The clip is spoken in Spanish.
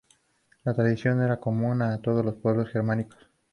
La tradición era común a todos los pueblos germánicos.